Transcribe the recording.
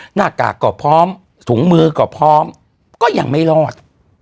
หน้ากากก็พร้อมถุงมือก็พร้อมก็ยังไม่รอด